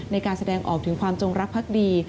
ในการแสดงออกถึงความจงรักภักดี